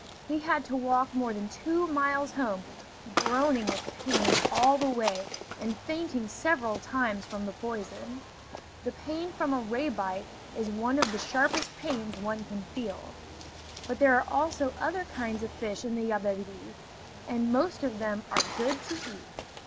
He had to walk more than two miles home, groaning with pain all the way and fainting several times from the poison. The pain from a ray bite is one of the sharpest pains one can feel. But there are also other kinds of fish in the Yabebirì; and most of them are good to eat.